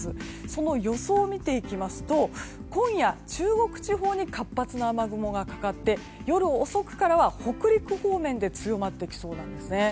その予想を見ていきますと今夜、中国地方に活発な雨雲がかかって夜遅くには北陸方面で強まってきそうです。